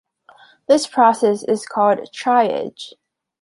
This process is called triage.